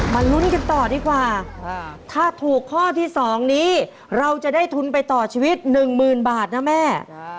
ลุ้นกันต่อดีกว่าถ้าถูกข้อที่๒นี้เราจะได้ทุนไปต่อชีวิต๑๐๐๐บาทนะแม่